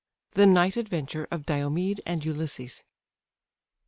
THE NIGHT ADVENTURE OF DIOMED AND ULYSSES.